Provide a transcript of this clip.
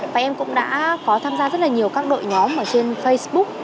và em cũng đã có tham gia rất là nhiều các đội nhóm ở trên facebook